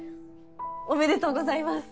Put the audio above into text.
おめでとうございます！